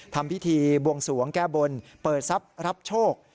ทำพิธีบวงสวงแก้บนเปิดทรัพย์รับโชค